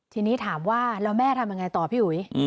ทีนี้ถามว่าแล้วแม่ทำยังไงต่อพี่อุ๋ย